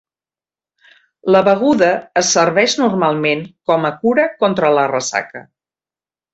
La beguda es serveix normalment com a cura contra la ressaca.